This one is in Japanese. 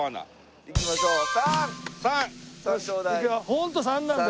ホント３なので。